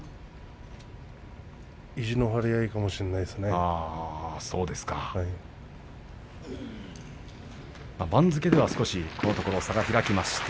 意地の張り合いかもしれませんね。